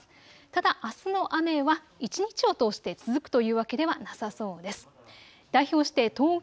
ただあすの雨は一日を通して続くというわけではなさそうです。